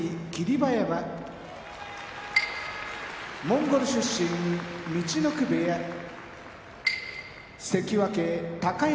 馬山モンゴル出身陸奥部屋関脇・高安